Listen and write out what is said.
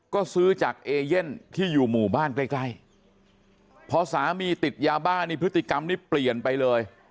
ก็ซื้อจากเอเย่นที่อยู่หมู่บ้านใกล้ใกล้พอสามีติดยาบ้านี่พฤติกรรมนี้เปลี่ยนไปเลย